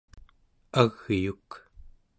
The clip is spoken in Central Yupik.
agyuk